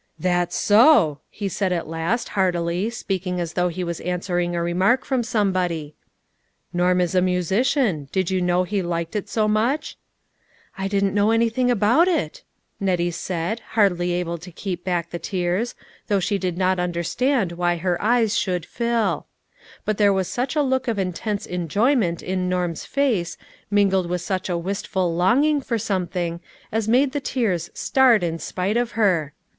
" That's so," he said at last, heartily, speak ing as though he was answering a remark from somebody ;" Norm is a musician. Did you know he liked it so much ?" "I didn't know anything about it," Nettie said, hardly able to keep back the tears, though she did not understand why her eyes should fill ; but there was such a look of intense enjoyment in Norm's face, mingled with such a wistful longing for something, as made the tears start in spite of her.